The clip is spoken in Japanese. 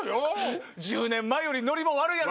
１０年前よりノリも悪いやろうしな。